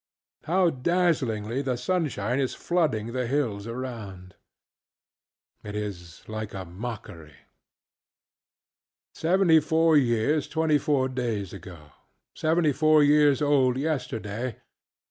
How dazzlingly the sunshine is flooding the hills around! It is like a mockery. Seventy four years old twenty four days ago. Seventy four years old yesterday.